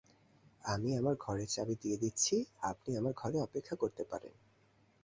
আমি আমার ঘরের চাবি দিয়ে দিচ্ছি, আপনি আমার ঘরে অপেক্ষা করতে পারেন।